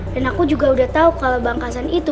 dan aku juga udah tahu kalau bang kasan itu